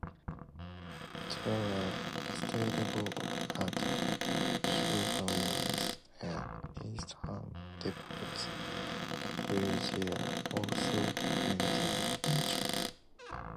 These are stabled at Shoeburyness and East Ham depots, where they are also maintained.